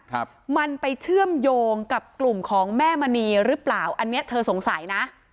ครับมันไปเชื่อมโยงกับกลุ่มของแม่มณีหรือเปล่าอันเนี้ยเธอสงสัยนะ